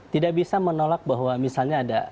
tidak bisa menolak bahwa misalnya ada